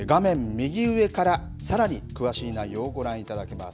右上からさらに詳しい内容をご覧いただけます。